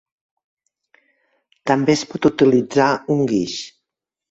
També es pot utilitzar un guix.